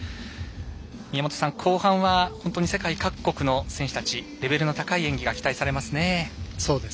宮本さん、後半は世界各国の選手たちレベルの高い演技が期待されますね。